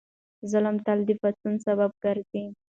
ظلم تل د پاڅون سبب ګرځي.